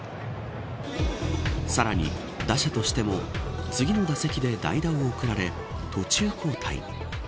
さらに、打者としても次の打席で代打を送られ途中交代。